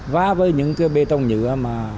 vá với những bê tông nhựa